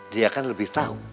dia kan lebih tahu